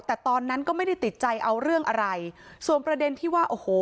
แต่ตอนนั้นก็ไม่ได้ติดใจเอาเรื่องอะไรส่วนประเด็นที่ว่าโอ้โห